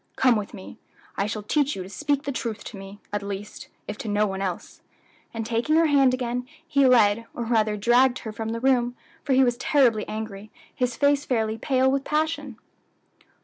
Come with me. I shall teach you to speak the truth to me at least, if to no one else," and taking her hand again, he led, or rather dragged, her from the room, for he was terribly angry, his face fairly pale with passion.